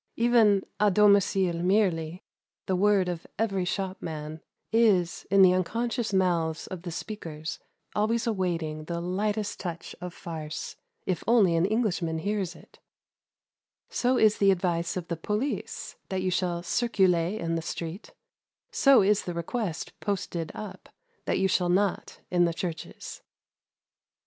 Even "a domicile" merely the word of every shopman is, in the unconscious mouths of the speakers, always awaiting the lightest touch of farce, if only an Englishman hears it; so is the advice of the police that you shall "circuler" in the street; so is the request, posted up, that you shall not, in the churches.